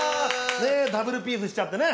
ねえダブルピースしちゃってね。